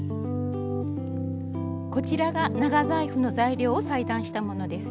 こちらが長財布の材料を裁断したものです。